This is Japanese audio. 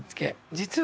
実は。